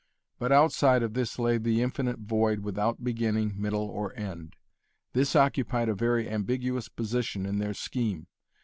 But outside of this lay the infinite void without beginning, middle, or end. This occupied a very ambiguous position In their scheme.